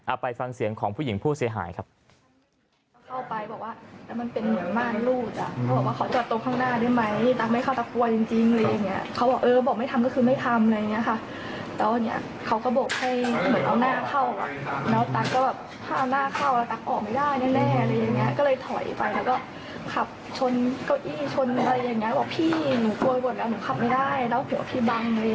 ไปฟังเสียงของผู้หญิงผู้เสียหายครับ